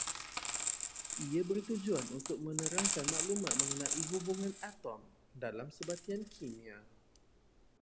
Ia bertujuan untuk menerangkan maklumat mengenai hubungan atom dalam sebatian kimia